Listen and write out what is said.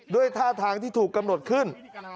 ด้วยท่าทางที่ถูกกำหนดขึ้น